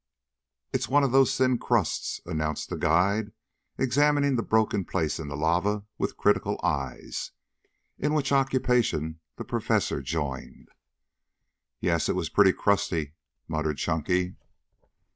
"It's one of those thin crusts," announced the guide, examining the broken place in the lava with critical eyes, in which occupation the Professor joined. "Yes, it was pretty crusty," muttered Chunky.